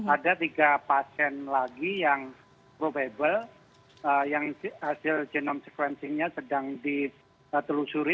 ada tiga pasien lagi yang probable yang hasil genome sequencingnya sedang ditelusuri